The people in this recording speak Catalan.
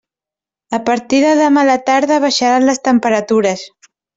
A partir de demà a la tarda baixaran les temperatures.